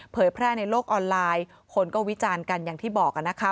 แพร่ในโลกออนไลน์คนก็วิจารณ์กันอย่างที่บอกนะคะ